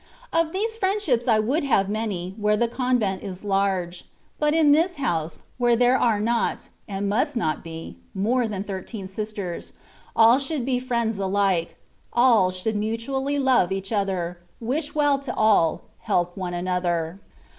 Of these friendships I would have many, where the convent is large : but in this house, where there are not — and must not be — more than thirteen sisters, all should be friends alike; all should mutually love each other, wish well to all, help one another.